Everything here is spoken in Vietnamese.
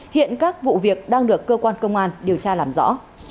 hiện các vụ việc đang được cơ quan công an điều tra làm rõ